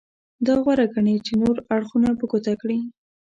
دا غوره ګڼي چې نور اړخونه په ګوته کړي.